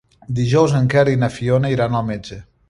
Dijous en Quer i na Fiona iran al metge.